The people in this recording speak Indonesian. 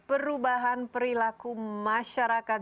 perubahan perilaku masyarakat